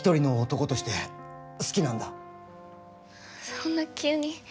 そんな急に。